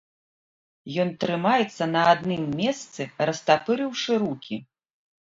Ён трымаецца на адным месцы, растапырыўшы рукі.